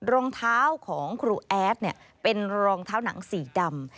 รองเท้าของครูแอดเป็นรองเท้าหนังสีดำ